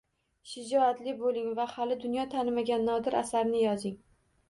Shijoatli bo’ling va hali dunyo tanimagan nodir asarni yozing